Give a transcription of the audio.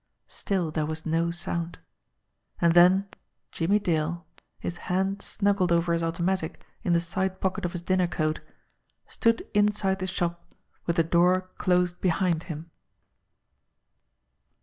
Still there was no sound. And then Jimmie Dale, his hand snug gled over his automatic in the side pocket of his dinner coat, stood inside the shop with the door closed behind him.